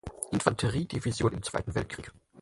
Infanterie-Division im Zweiten Weltkrieg.